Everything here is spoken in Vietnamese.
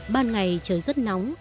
ban ngày trời rất nóng